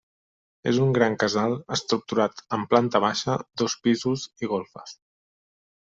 És un gran casal estructurat en planta baixa, dos pisos i golfes.